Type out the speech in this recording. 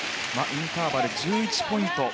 インターバルの１１ポイント。